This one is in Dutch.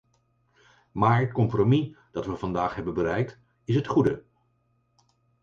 Maar het compromis dat we vandaag hebben bereikt is het goede.